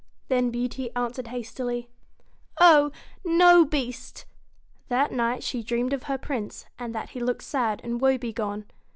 Then Beauty answered hastily, 'Oh ! no, Beast !' That night she dreamed of her Prince, and that he looked sad and wobegone.